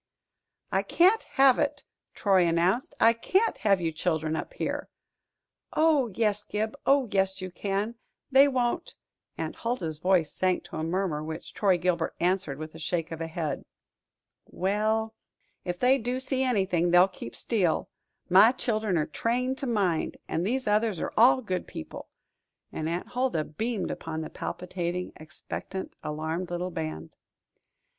"I can't have it," Troy announced. "I can't have you children up here." "Oh, yes, Gib oh, yes, you can. They won't " Aunt Huldah's voice sank to a murmur, which Troy Gilbert answered with a shake of the head. "Well, ef they do see anything, they'll keep still my chil'en are trained to mind; and these others are all good people;" and Aunt Huldah beamed upon the palpitating, expectant, alarmed little band.